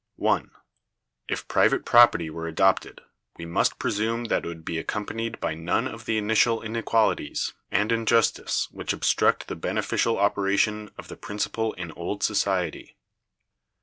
(1.) If private property were adopted, we must presume that it would be accompanied by none of the initial inequalities and injustice which obstruct the beneficial operation of the principle in old society.